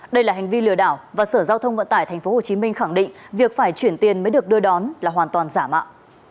đây là hành vi lừa đảo và sở giao thông vận tải tp hcm khẳng định việc phải chuyển tiền mới được đưa đón là hoàn toàn giả mạo